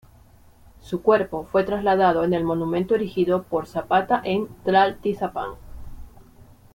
Su cuerpo fue trasladado en el monumento erigido por Zapata en Tlaltizapán.